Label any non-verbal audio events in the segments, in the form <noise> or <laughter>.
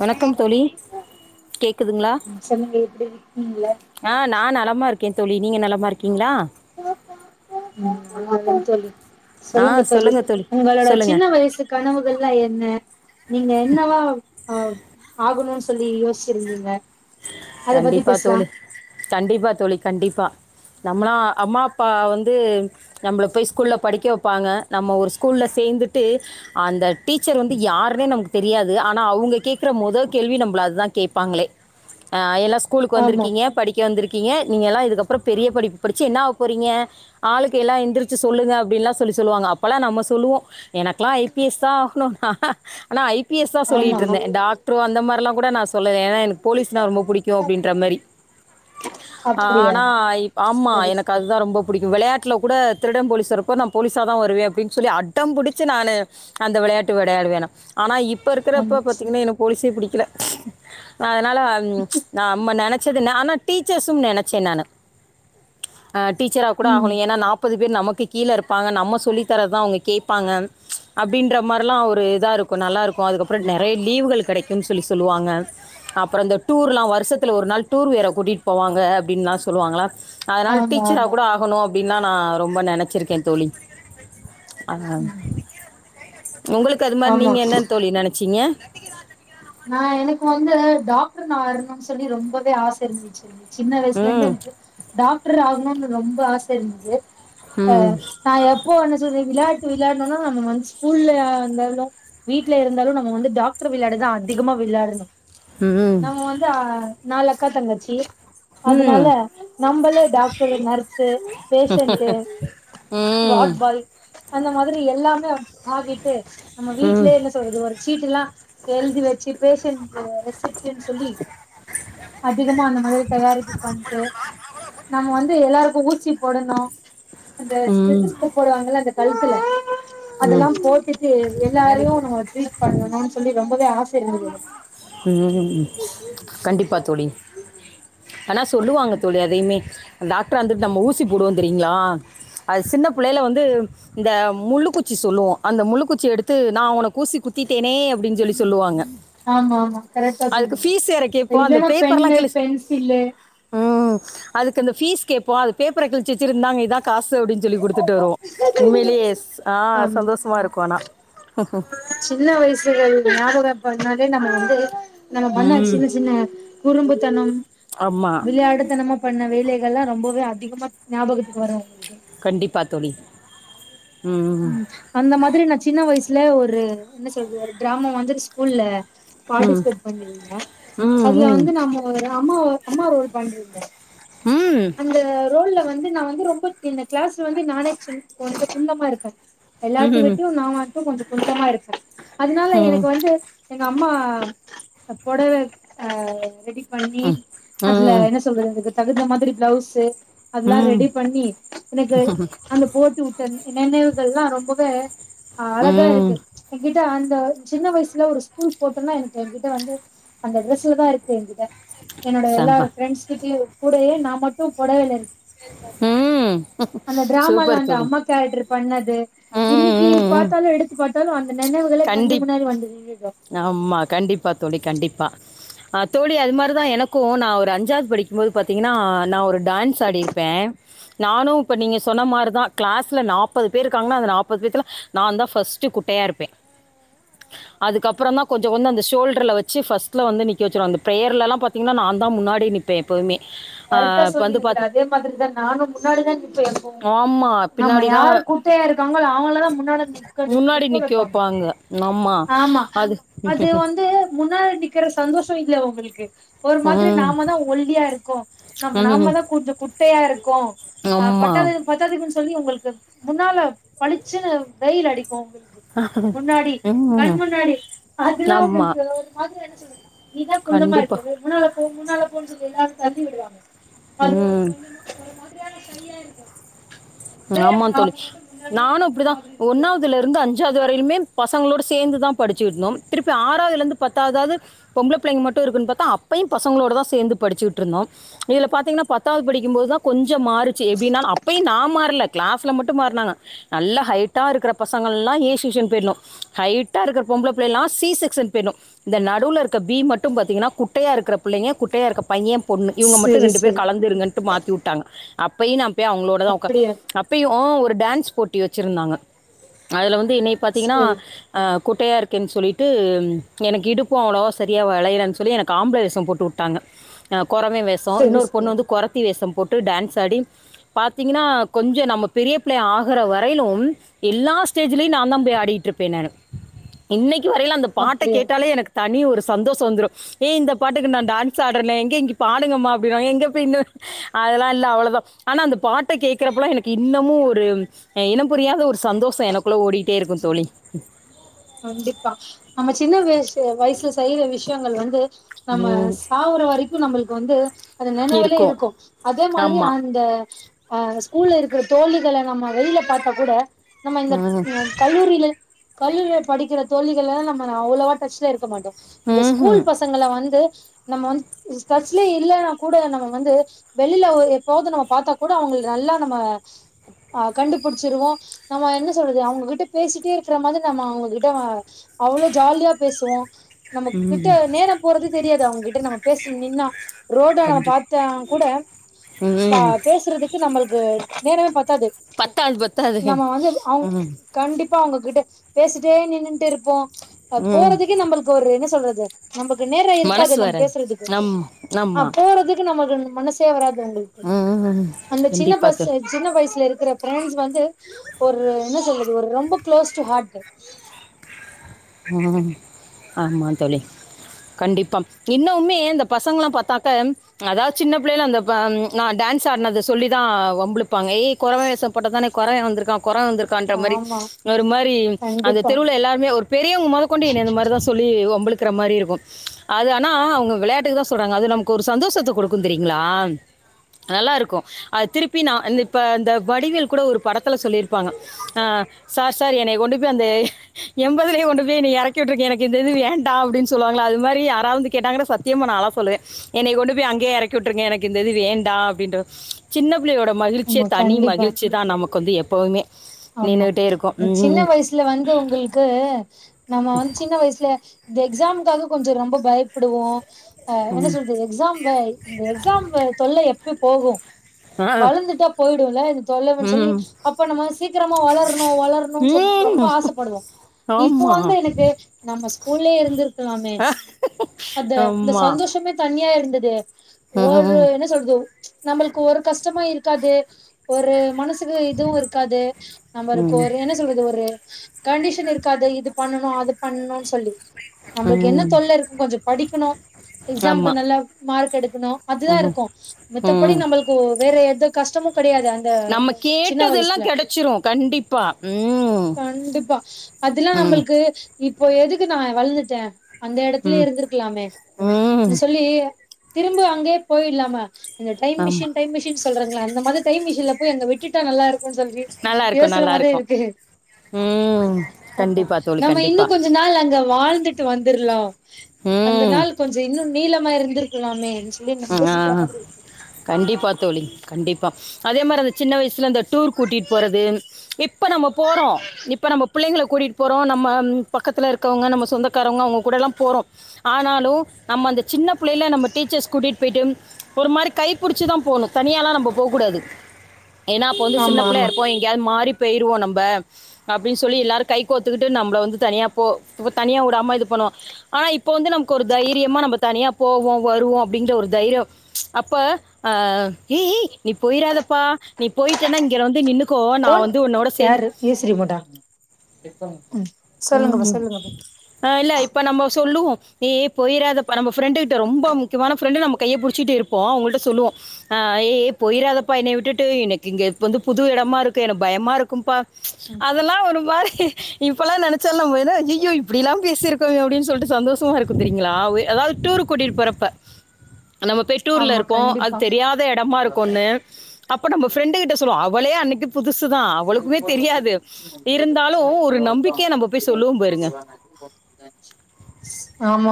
வணக்கம் தோழி கேக்குதுங்ளா ம் சொல்லுங்க எப்டி இருக்கீங்கள ஆ நா நலமாருக் கே தோழி நீங்க நலமா இருக்கீங்ளா? <inaudible> தோழி ஆ சொல்லுங்க தோழி சொல்லுங்கள் உங்களோட சின்ன சொல்லுங்கள் வயசு கனவுகள்லா என்ன நீங்க என்னவா ஆ ஆகணுன் சொல்லி யோசுச்சிருந்தீங்க? கண்டிப்பா தோழி கண்டிப்பா தோழ கண்டிப்பா நம்மளா அம்மா அப்பா வந்து நம்ள போய் ஸ்கூல்ல படிக்க வப்பாங்க நம்ம ஒரு ஸ்கூல்ல சேந்துட்டு அந்த டீச்சர் வந்து யாருனே நமக்கு தெரியாது ஆனா அவுங்க கேக்குற மொத கேள்வி நம்மள அதா கேப்பாங்களே ஆ எல்லா ஸ்கூலுக்கு ஆமா வந்துருக்கீங்க படிக்க வந்துரு க்கீங்க நீங்க எல்லா இதுக்கப்றோ பெரிய படிப்பு படுச்சு என்னாவ போறீங்க ஆளுக்கு எல்லா எந்திரிச்சு சொல்லுங்க அப்டின்லா சொல்லி சொல்லுவாங்க அப்பலா நம்ம சொல்லுவோ எனக்லா ஐ பி எஸ் தா ஆகனு ஆனா ஐ பி எஸ் தா ஆமா சொல்லிட்ருந்தே டாக்ட்ரோ அந்த மார்லா கூட நா சொல் லல ஏனா எனக்கு போலீஸ்னா ரொம்ப பு டிக்கு அப்டின்ற மாரி அப்டியா ஆனா இ‌ப் ஆமா சரி எனக்கு சரி அதுதா ரொம்ப பு டிக்கு வெளயாட்ல கூட திருட போலிஸ் வரப்போ நா போலீஸா தா வருவே அப்டின் சொல்லி அடம்புடிச்சி நானு அந்த வெளயாட்டு வெடயாடுவேனா ஆனா இப் ப ஆமா இருக்குறப்ப பாத்தீங்னா எனக் போலிஸே புடி க்கில அதுனால அ நம்ம நெனச்சதுன்ன ஆனா டீச்சர்ஸும் நெனச்சே நானு ஆ டீச்சரா கூட ம் ஆகனு ஏனா நாப்பது பேர் நமக் கு கீழ இருப்பாங்க நம்ம சொல்லி தரதா அவுங்க கேப்பாங்க அப்டின்ற மார்லா ஒரு இதா இருக்கு நல்லாருக் கு அதுகப்றொ நெறைய லீவுகள் கெடை க்குன் சொல்லி சொல்லுவாங்க அப்றோ இந்த டூர்லா வருஷத்துல ஒரு நாள் டூர் வேற கூட்டிட் போவாங்க அப்டின்லா சொல்லுவாங்களா அதனால் ஆமா டீச்சரா ஆமா கூட ஆகனு அ ப்டின்னா நா ரொம்ப நெனச்சிருக்கே தோழி ஆ ஆ உங்களுக் அது மாரி ஆமா நீங்க என்னென் தோழி நெனச்சீங்க? நா எனக்கு வந்து டாக்டர் நா ஆயிர்னுன் சொல்லி ரொம்பவே ஆச இருந்துச்சு சின்ன வயசுலந்தே ம் இருக்கு டாக் டர் ஆகனுன்னு ரொம்ப ஆச இருந்தது அ ம் நா எப்போ ஒன்னு சொல்லி விளயாட்டு விளயான்னுனா நம்ம வந்து ஸ்கூல்ல இந்தாலு வீட்ல இருந்தாலு நம்ம வந்து டாக்ட்ரு விளையாட்டுதா அ திகமா விளாடுனோ ம் நம்ம வந்து ஆ நாலு அக்கா தங்கச்சி ம் அதுனால நம்பளே டாக்டரு நர்ஸு பேஷன்டு ம் வாட்பாய் அந்த மாதிரி எல்லாமே ஆகிட்டு நம்ம வீட்லே என்ன சொல்றது ஒரு சீட்டுல்லா எழுதி வ ச்சு பேஷன்ட்டு ரெசிப்டுன் சொல்லி அதிகமா அந்த மாதிரி தயாரிப்பு பண்ட்டு நம்ம வந்து எல்லாருக்கு ஊசி போடனு அந்த ம் ஸ்டெத்தஸ்கோப் போடுவாங்கல்ல அந்த க ழுத்துல ம் ம் அதல்லா போட்டுட்டு எல்லாரையு ட்ரீட் பண்ணனுன் சொல்லி ரொம்பவே ஆ ச இருந்தது எனக் ம் கண்டிப்பா தோழி ஆனா சொல்லுவாங்க தோழி அதையுமே டாக்டாரா வந்துட்டு நம்ம ஊசி போடுவோ தெரியீங்ளா அது சின்ன புள்ளைல வந்து இந்த முள்ளுக்குச்சி சொல்லுவோம் அந்த முள்ளுக்குச்சி எடுத்து நா ஒனக் ஊசி குத்திட்டேனே அப்டின் சொல்லி சொல்லுவாங்க ஆமா ஆமா கரெட்டா அதுக்கு சொன்னீங்க ஃபீஸ் வேற கேட்போம் அந்த இல்லன்னா பென்னு பேப்பர்லாம் கிழிச்சு பென்சீலு ம் அதுக்கு அந்த பீஸ் கேப்போ அது பேப்பர கிழிச்சிச்சிருந்தாங்க இதா காசு அப்டின் சொல்லி குடு த்துட்டு வருவோ உண்மையிலே ஸ் ஆ ஆமா சந்தோஷ்மா இருக்கு ஆனா சின்ன வயசுள. இருந்து ஞாபகம் பன்னாலே நமக்கு வந்து நம்ப பண்ண ம் சின்ன சின்ன குறும்புத்தனம் ஆமாம் விளையாட்டு தனமா பண்ண வேலை இதல்லா ரொம்பவே அதிகமா ஞாபகத்துக்கு வரும் கண்டிப்பா தோழி ம் அந்த மாதிரி நா சின்ன வயசுல ஒரு என்ன ஒரு டிராமா வந்துரு ஸ்கூல்ல பாட்டி ம் சபோட் பண்ணிருந்த ம் அதுல ம் வந்து நம்ப ஒரு நம்ம ஒரு அம்மா ரோல் பண்ணிருந்த ம் ம் அந்த ரோல்ல வந் வந்து நா வந்து ரொம்ப என் கிளாஸ்ல வந்து நானே கொஞ்ச குள்ளமா இரு <unintelligible> எல்லாத்து ம் விட்டு நம்ம கொஞ்ச கொஞ்சமா இருக்கு அதனால எனக்கு வந்து எங்க அம்மா பொடவ அ ரெடி பண்ணி ம் அதுல என்ன சொல்றது தகுந்த மாதிரி பிளவுஸ்சு ம் அதல்லா ம் ரெடி பண்ணி எனக்கு அந்த போட்டுவுட்டன் என்னனவ் இதல்லா ரொம்பவே ஆளதா ம் இருக்கு ஓங்கிட்ட அந் இந்த சின்ன வயசுல ஒரு ஸ்கூல் ஃபோட்டோ எனக்கு ஏகிட்ட வந்து அந்த ட்ரஸ்ல தா இருக்கு என்கிட்ட என்னோட எல்லார செம்ம ஃப்ரெண்ட்ஸ் கிட்டயும் கூடயே நா மட்டு பொடவைலரு ம் சூப்பர் தோழி ம் இன்னிக்கி ம் ம் பாத்தாலு எடுத்து பாத்தாலு அந்த நினைவுகளே கண்ணு கண்டிப் முன்னாடி வந்து நின்னுடு ஆமா கண்டிப்பா தோழி கண்டிப்பா அ தோழி அது மாரி தா எனக்கு நா ஒரு அஞ்சாது படிக்கும்போது பாத்தீங்கன்னா நா ஒரு டான்ஸ் ஆடிருப்பே நானு இப்ப நீங்க சொன்ன மாரி தா க்ளாஸ்ல நாப்பது பேருக்காங்கன்னா அந்த நாப்பது பேத்துல நாந்தா ஃபர்ஸ்ட்டு குட்டையா இருப்பே அதுக்கப்புறொந்தா கொஞ்ச வந்து அந்த ஷோல்டர்ல வச்சு ஃபர்ஸ்ட்ல வந்து நிக்க வச்சுரு அந்த பிரேயர்லல்லா பாத்தீங்னா நாந்தா முன்னாடி நிப்பே எப்பவுமே கரெட்டா சொன்னீங்க தோழி அதே மாதிரிதா நானு முன்னாடிதா நிப்பே எப்பவு ஆமாம் நம்ம பின்னாடிலாம் யாரு குட்டையா இருக்காங்களோ அவுங்கள தா முன்னாடி வந்து நிக்க நிக் முன்னாடி நிக்க நிற்க வப்பாங் வைப்பாங்க ஆமாம் ஆமா அது அது வந்து முன்னாடி நிக்கிற சந்தோஷொ இல்ல ஒங்கள்க்கு ஒரு மாதிரி ம் நாம தா ஒல்லியா இரு க்கோ நம்ம நாம ம் தா கொஞ்சொ குட் டயா இரு க்கோ ஆ ஆமாம் பட்டாது பத்தாதுக்குன் சொல்லி உங்கள்கு முன்னால பளுச்சுன்னு வெயில் அடி க்கு உங்கள்கு முன்னாடி கண் ம் முன்னாடி அதுல்லா உங்கள்கு ஆமாம் ஒரு மாதிரி என்ன சொல்றது நீ தா குள்ளமா கண்டிப்பாக இருக்கல்ல முன்னால போ முன்னால போன் சொல்லி எல்லாரு தள்ளி விடுவாங்க அது ஒரு ம் கொஞ்சமா ஒரு மாதிரியான ஷையா‌ இருக்கு ஆமா தோழி நானு அப்டிதா ஒன்னாவுதுலருந்து அஞ்சாவுது வரையிலுமே பசங்களோட சேந்து தா படிச்சுருந்தோம் திருப்பி ஆறாதுலந்து பத்தாவ்தாது பொம்ளபுள்ளெங்க மட்டு இருக்குன் பாத்தா அப்பயு பசங்களோட தா சேந்து படுச்சுட்ருந்தோ இதுல பாத்திங்னா பத்தாவுது படிக்கும்போதுதா கொஞ்ச மாறுச்சு எப்டின்னால் அப்பயு நா மாற ல்ல கிளாஸ்ல மட்டு மாற்னாங்க நல்ல ஹைட்டா இருக்குற பசங்கல்லா ஏ செஷன் போயிர்னு ஹைட்டா இருக்க பொம்ளபுள்ளைலா சி செக்ஸன் போயிர்னு இந்த நடுவ்ல இருக்க பி மட்டு பாத்தீங்கனா குட்டையா இருக்க புள்ளைங்க குட்டையா இருக்க பைய பொண்ணு இவுங்க மட்டு சரி ரெண்டு பேர் சரி கலந்து இருங்கன்ட்டு மாத்திவுட் டாங்க அப்பயு நா போய் அவுங்களோடதா அப்படியா ஒக்கா ஓ ஒரு டான்ஸ் போட்டி வச்சிருந்தாங்க அதல வந் ரி இன்னை பாத்தீங்கன்னா சரி குட்டையா இருக்கேன் சொல்லிட்டு எனக்கு இடுப்பு அவ்ளவா சரியா வளயலன் சொல்லி எனக்கு ஆம்பள வேசம் போட்டுவுட்டாங்க அ கொறவெ வேசொ சரி இன்னொரு சரி பொண்ணு வந்து கொறத்தி வேசம் போட்டு டான்ஸ் ஆடி பாத்தீங்கனா கொஞ்ச நம்ம பெரிய பிள்ளை ஆகுற வரையிலும் எல்லா ஸ்டேஜிலயு நாந்தா போய் ஆடிட்ருப்பே நானு இன்னை இ வரையில் அந்த பாட்ட அப்படியா கேட்டாலே எனக் தனி ஒரு சந்தோஷோ வந்துறு ஏ இந்த பாட்டுக்கு நா டான்ஸ் ஆடுறேனே எங்க இங்க பாடுங்கமா அப்பிங்க பின் அதெல்லா இல்ல அவ்வளவுதா ஆனா அந்த பாட்ட கேக் க்ரப்பலா எனக்கு இன்னமு ஒரு இனம்ப் புரியாத ஒரு சந்தோஷோ எனக்குள்ள ஓடிட்டே இருக்கு தோழி அண்டிப்பா நம்ம சின்ன வியசு வயசுல செய்யற விஷயங்கள் வந்து நம்ம உம், சாவுற வரைக்கு நம்மளுக்கு வந்து அந்த நெனைவுலே இருக்கும் இருக்கு அதே மாதிரி ஆமாம் அந்த அ ஸ்கூல்ல இருக்கிற தோழிகள நம்ம வெளில பாத்தா கூட நம்ம இந்தக் ம் அ கல்லூரியில கல்லுலேப் படிக்கிற தோழிகளல்லா நம்ம அவ்வளவா டச்ல இருக்கமாட்டோ அந்த ஸ்கூல் ம் பசங்கள வந்து நம்ம வந்துடச்சுலயே இல்லன்னா கூட நம்ம வந்து வெளியில ஒ எப்போது நம்ம பாத்தா கூட அவங்களுக்கு நல்லா நம்ம ஆ கண்டுபுடிச்சிருவோ நம்ம என்ன சொல்றது அவங்ககிட்ட பேசிட்டே இருக்கிற மாரி நம்ம அவங்ககி ட்ட அவ்ளோ ஜாலியா பேசுவோ நம்ம கிட்ட ம் நேரோ போறதே தெரியாது அவங் கிட்ட நம்ம பேசணு நின்னா ரோட நம் கண்டிப்பாக பாத்த கூட ப ம் பேசுறதுக்கு நம்மளுக் க்க நேரவே பத் த்தாது பத்தாது பத்தாது நம்ம வந்து அவங் ம் கண்டிப்பா அவங்க கிட்ட பேசி ட்டே நின்ட்டு இருப்போ அ ம் போறதுக்கே நம்மளுக்கு ஒரு என்ன சொல்றது ஜ நம்பக்கு நேரொ இருக்காது மனசு நம்ம வராது பேசுறதுக்கு ஆமாம் ஆ ஆமாம் போறதுக்கு நமக்கு மனசே வராது த உங்களுக்கு ம் அந்த சின்ன பஸ் கண்டிப்பாக சின்ன வயசுல இருக் க்கற பிரண்ட்ஸ் வந்து ஒரு என்ன சொல்றது ஒரு ரொம்ப க்ளோஸ் டு ஹார்ட் ஆமா தோழி கண்டிப்பா இன்னோமே இந்த பசங்கல்லா பாத்தாக்க அதாது சின்ன பிள்ளையில அந்த ப நா டான்ஸ் ஆடனது சொல்லிதா வம்புயிழுப்பாங்க ஏ கொறவ வேஷம் போட்டதானே கொறவா வந்திருக்கா கொரவ வந்துருக்கன்ற மாரி ஆமா ஒரு மாரி அந்த கண்டிப்பா தெருவில எல்லாருமே ஒரு பெரியவங்க மொத கொண்டு என்ன இந்த மாரிதா சொல்லி வம்பு இழுப் இருக்கரா மாரி இருக்கு அது ஆனா அவுங்க விளையாட்டுக்கு தா சொல்றாங்க அது நமக்கு ஒரு சந்தோஷத்த குடுக்கும் தெரியங்களா நல்லா இருக்கும் அது திருப்பி ந இப்ப இந்த வடிவேல் கூட ஒரு படத்துல சொல்லிருப்பாங்க சார் சார் என்னைய கொண்டு போய் அந்த எம் போசிலேயே கொண்டு போய் என்ன இறக்கிவிட்ருங்க எனக்கு இந்தது வேண்டா அப்பிடின்னு சொல்லுவாங்கள அது மாரி யாரா வந்து கேட்டாங்கனா சத்தியமா நால்லா சொல்லுவே என்ன கொண்டு போய் அங்கே இறக்கி விட்டுருங்க எனக்குஇந்தது வேண்டா அப்பிடின்ரு சின்ன ப்ழியோட மகிழ்ச்சியே ஆமா தனி கண்டிப்பா மகிழ்ச்சிதா நமக் கொஞ்ச எப்பவுமே ஆமா இந்த சின்ன வயசுல வந்து உங்களுக்கு உஹ <inaudible> நம்ம வந்து சின்ன வயசுல இந்த எக்ஸாம்காக கொஞ்ச ரொம்ப பயப்படுவோ ஆ ம், என்ன சொல்து எக்ஸாம் வ இந்த எக்ஸாம்வ தொல்லை எப் க்கு போகும் ஆ, வளந்துட்டா போயிடும்ல இந்த தொல்லன்னு சொல்லி ம், அப்ப நம்ம சீக்கிரமா வளரணும் வளரணும்னு சொ ம். ரொம்ப ஆசப்படுவோம் இப்போ ஆமா வந்து எனக்கு நம்ம ஸ் உள்ளே இருந்துருக் க்கலாமெ அந்த அந்த ஆமா சந்தோஷமே தனியா இருந்து தே ஒரு ம் என்ன சொல்றது நம்மளக்கு ஒரு சுத்தமா இருக்காது ஒரு மனசு இதுவு இருக்காது நம்பளக்கு ம் ஒரு என்ன சொல்றது ஒரு கண்டிஷன் இருக்காது இது பண்ணணும் அது பண்ணன் சொல்லி நம்பளுக்கு என்ன ம் தொல்ல இருக்கு கொஞ்ச படிக்கணு எக்ஸாமக்கு ஆமா நல்ல மார்க் எடுக்கணு அதுதா ம் இருக்கு மத்தபடி ம் நம்பளுக் இப்ப வேற எந்த கஷ்டமு கெடையாது அந்த நம்ம சின்ன கேட்டதெல்லாம் வயசுல கிடைச்சிரும் கண்டிப்பா ம் கண்டிப்பா அதெல்லா ம் நம்பளுக்கு இப்போ எதுக்கு நா வளழ்ந்துட்டே அந்த எடத்துலயே ம் இருந்ததுருக்கலாமே நீ ம் சொல்லி திரும்ப அங்கேயே போய்டலாமா இந்த டைம் ஆமா மிஷின் மிஷின் சொல்றாங்கள அந்த மாதிரி டை மிஷின்ல போய் அங்க விட்டுட்டா நல்லா இருக் சொல்லி நல்லா இருக்கும் நல்லா யோசனமா தா இருக்கும் இருக்கு ம் ஆமா கண்டிப்பா தோழி நம்ம இன்னு கண்டிப்பா கொஞ்ச நாள் அங்க வாழ் வந்துட்டு வந்துரலா அந்த ம் நாள் கொஞ்ச இன்னு நீளம் சும்மா இருந்துருக்கலாமே <inaudible> ஆ, கண்டிப்பா தோழி கண்டிப்பா அதே மாதிரி அந்த சின்ன வயசுல அந்த டூர் கூட்டிட்டு போறது இப்ப நம்ம போறோ இப்ப நம்ம பிள்ளைங்கள கூட்டிட்டு போறோ நம்ம பக்கத்ல இருக்கிறவங்க நம்ம சொந்தக்காரங்க அவுங்க கூடல்லா போறோ ஆனாலு நம்ம அந்த சின்ன பிள்ளைல நம்ம டீச்சர்ஸ் கூட்டிட்டு போய்ட்டு ஒரு மாரி கை புடிச்சுதா போணு தனியாலா நம்ம போகக்கூடாது ஏன்னா அப்ப வந்து சின்ன ஆமா பிள்ளயா ஆமா இருப்போ எங்கேயாவது மாறிப் போயிருவோ நம்ப அப்டினு சொல்லி எல்லாரு கை கோத்துக்குட்டு நம்பள வந்து தனியா போ தனியா விடாம இது பண்ணுவோ ஆனா இப்ப வந்து நமக்கு ஒரு தைரியமா நம்ப தனியா போவோ வருவோ அப்டிங்ற ஒரு தைரியோ அப்ப அ ஏய் ஏய் நீ போயிராதப்பா நீ போயிட்டேனா இங்க வந்து நின்னு கோன் யாரு ஈஸ்வரி மேடம் ஆமா அ இல்ல இப்ப நம்ம சொல்லுவோ ஏ ஏ போயிராதப்பா நம்ம ஃப்ரெண்டு கிட்ட ரொம்ப முக்கியமான ஃப்ரெண்டு நம்ம கைய புடிச்சிட்டு இருப்போ அவுங்கள்ட்ட சொல்லுவோ ஆ ஏ ஏ போயிராதப்பா என்னய விட்டுட்டு எனக்கு இங்க வந்து புது இடமா இருக்கு எனக்கு பயமா இருக்கும்பா ம் அதெல்லா ஒரு மாரி இப்பெல்லா நென ல்ல போன்னா ஐய்யயோ இப்டி லா பேசியிருக்கோ அப்டினு சொல்லிட்டு சந்தோஷமா இருக்கு தெரியுங்ளா அதாவது டூரு கூட்டிட்டு போறப்ப நம்ம அப்போ டூர்ல ஆமா இருப்போ அது கண்டிப்பா தெரியாத இடமா இருக்குனு அப்போ நம்ம ஃப்ரெண்டு கிட்ட சொல்லுவோம் இவளே அன்னைக்கு பு புதுசுத அவளுக்குமே தெரியாது இருந்தாலு ஒரு நம்பிக்கையா நம்ம போய் சொல்லுவோம் பாருங்க. ஆமா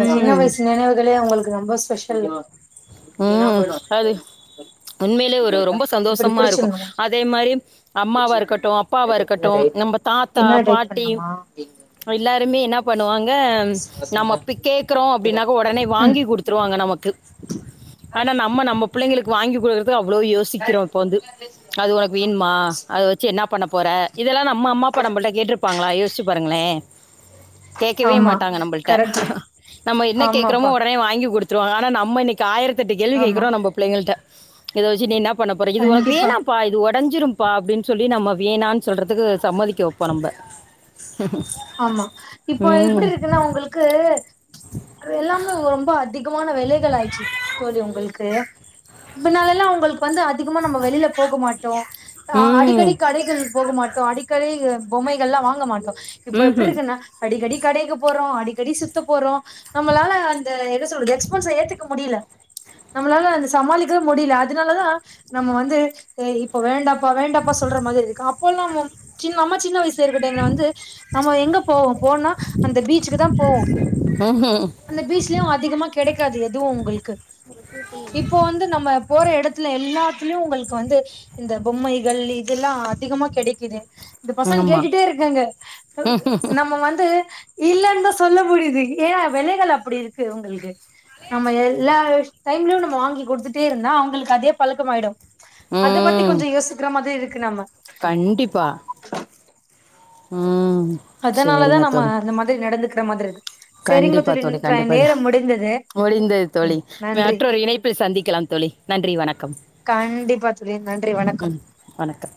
எ சின்ன வயசு நினைவுகளே அவுங்களுக்கு ரொம்ப ஸ்பெஷல் சொல்லு உம் அது உண்மையிலயே ஒரு ரொம்ப இப்படி சந்தோஷமா இருக்கு புடிச்சிருந்தமா அதே மாரி அம்மாவா இருக்கட்டு அப்பாவா இருக்கட்டு நம்ம தாத்தா என்ன டைப் பாட்டி பண்ணுமா எல்லாருமே என்னா பண்ணுவாங் அ நம்ம இப்டி கேக்குறோ அப்படின்னாக்க உடனே ம் வாங்கி குடுத்துருவாங்க நமக்கு ஆனா நம்ம நம்ம பிள்ளைங்களுக்கு வாங்கி கு இப்ப அவ்ளோ யோசிக்குறோ இப்பா வந்து அது உனக்கு வேணுமா அத வச்சு என்ன பண்ண போற இதெல்லா நம்ம அம்மா அப்பா நம்மள்ட கேட்ருப்பாங்ளா யோச யோசிச்சு பாருங்களே கேக்கவே ஆமா மாட்டாங்க நம்மள்ட்ட கரெக்ட் நம்ம என்ன கேக்குறோமோ ஆமாப்பா ஒடனே வாங்கி குடு ஆனா நம்ம இன்னைக்கு தாயிரத் தெட்டு கேள்வி ஆமா கேக்குறோ நம்ப புள்ளங்கெள்ட்ட இத வச்சு நீ என்னா பண்ண போற இது ஒனக்கு கண்டிப்பா வேணாப்பா இது ஒ டஞ்சுரும்பா அப்டின் சொல்லி நம்ம வேணான் சொல்றதுக்கு சம்மதிக்க வப்போ நம்ப ஆமா இப்போ எப்புடி இருக்குன்னா அவுங்களுக்கு அது எல்லாமே ரொம்ப அதிகமா வெலைகள் ஆச்சு தோழி உங்கள்கு இதுனாலல்லா உங்களுக்கு வந்து அ திகமா நம்ம வெளில போக மாட்டோ ம் அடிக்கடி கடைகள் போக மாட்டோ அடிக்கடி பொம்மைகள்லா வாங்க மாட்டோ இப்ப ம்ஹும். எப்பிட்ருக்குன்னா அடிக்கடி கடைக்கு போ றோ அடிக்கடி சுத்த போறோ நம்மளால அந்த என்ன சொல்றது எக்ஸ்பன்ஸ‌ ஏத்துக்க முடில நம்ளால வந்து சமாளிக்கவே முடியில அதுனாலதா நம்ம வந்து ஏ இப்ப வேண்டா ப்பா வேண்டப்பா சொல்ற மாதிரி இருக்கு அப்போல்லா மம் சின் அம்மா சின்ன வய சுருக்க டைம்ல வந்து நம்ம எங்க போவோ போனா அந்த பீச்சுக்கு தா போவோ ம்ஹும். அந்த பீச்லயு அதிகமா கெடைக்காது எதுவு உங்கள்கு இப்போ வந்து நம்ம போற எடத்துல எல்லா த்திலயு உங்கள்கு வந்து இந்த பொம்மைகள் இதுல்லா அதிகமா கெடைக்கிது இந்த பசங்க ஆமா கேட்டுட்டே இருக்காங்க நம்ம வந்து இல்லன்தா சொல்ல முடியிது ஏ வெலைகள் அப்டி இருக்கு உங்கள்கு நம்ம எல்லா டைம்லயு நம்ம வாங்கி குடுத்துட்டே இருந்தா அவுங்களுக்கு அதே பழக்கமாயிடு அத பத்தி ம் கொஞ்சொ யோசிக்கிற மாதிரி இருக்கு நம்ம கண்டிப்பா ம் அதனால தா சேரிங்க நம்ம தோழி அந்த மாதிரி நடந்து க்குற மாதிரிருக்கு கண்டிப்பா தோழி கண்டிப்பா முடிந்தது முடிந்தது தோழி ம் நன்றி மற்றொரு இணைப்பில் சந்திக்கலாம் தோழி நன்றி வணக்கம் கண்டிப்பா தோழி நன்றி வணக்கம் ம் வணக்கம்.